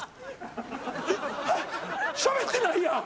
しゃべってないやん。